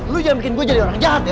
lu jangan bikin gue jadi orang jahat ya